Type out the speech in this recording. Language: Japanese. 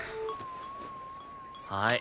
はい。